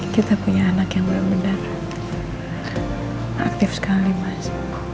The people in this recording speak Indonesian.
kita punya anak yang benar benar aktif sekali mas